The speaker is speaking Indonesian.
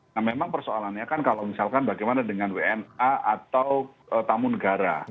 nah memang persoalannya kan kalau misalkan bagaimana dengan wna atau tamu negara